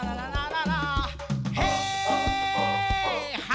ทวงคำนองที่ตัวฉันนั้นมั่นใจ